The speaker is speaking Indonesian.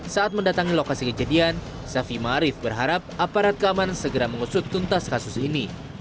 saat mendatangi lokasi kejadian syafi marif berharap aparat keamanan segera mengusut tuntas kasus ini